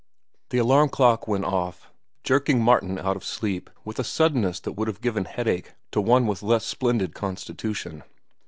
The alarm clock went off, jerking Martin out of sleep with a suddenness that would have given headache to one with less splendid constitution.